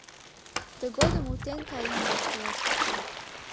Тыгодым утен каен воштылыт.